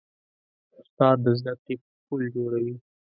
استاد د زدهکړې پل جوړوي.